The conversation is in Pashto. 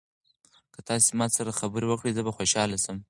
که تاسي ما سره خبرې وکړئ زه به خوشاله شم.